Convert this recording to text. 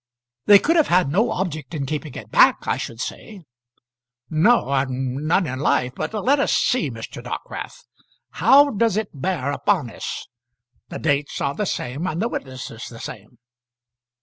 "They could have had no object in keeping it back, I should say." "No; none in life. But let us see, Mr. Dockwrath; how does it bear upon us? The dates are the same, and the witnesses the same."